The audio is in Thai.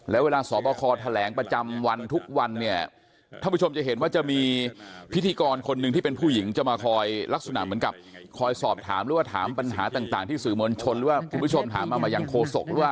แล้วเวลาสอบคอแถลงประจำวันทุกวันเนี่ยท่านผู้ชมจะเห็นว่าจะมีพิธีกรคนหนึ่งที่เป็นผู้หญิงจะมาคอยลักษณะเหมือนกับคอยสอบถามหรือว่าถามปัญหาต่างที่สื่อมวลชนหรือว่าคุณผู้ชมถามมามาอย่างโฆษกหรือว่า